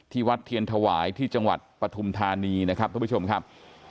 วัดเทียนถวายที่จังหวัดปฐุมธานีนะครับทุกผู้ชมครับ